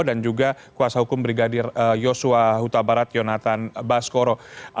dan juga kuasa hukum brigadir yosua huta barat yonatan baskoro